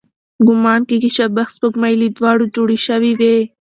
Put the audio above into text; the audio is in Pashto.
ګومان کېږي، شبح سپوږمۍ له دوړو جوړې شوې وي.